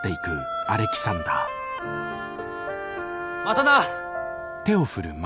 またな！